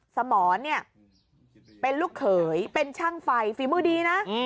สมรเนี่ยเป็นลูกเขยเป็นช่างไฟฝีมือดีนะ